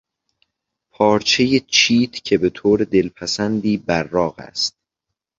پارچهی چیت که به طور دلپسندی براق است